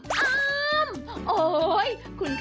เจ้าแจ๊กริมจอ